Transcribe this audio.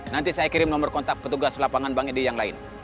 nanti saya kirim nomor kontak petugas lapangan bang edi yang lain